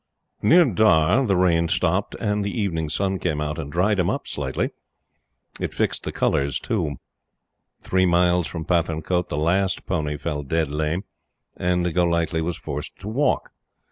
Near Dhar the rain stopped and the evening sun came out and dried him up slightly. It fixed the colors, too. Three miles from Pathankote the last pony fell dead lame, and Golightly was forced to walk.